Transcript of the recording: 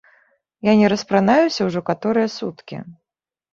Я не распранаюся ўжо каторыя суткі.